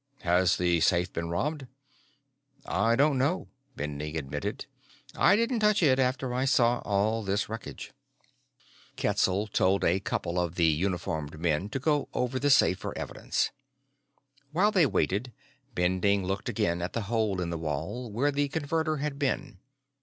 "Has the safe been robbed?" "I don't know," Bending admitted. "I didn't touch it after I saw all this wreckage." Ketzel told a couple of the uniformed men to go over the safe for evidence. While they waited, Bending looked again at the hole in the wall where the Converter had been.